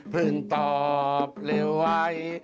เพิ่งตอบเร็วไว้